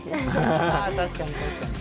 ああ確かに確かに。